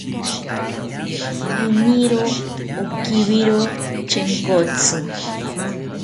Iniro okiwiro Chenkotzi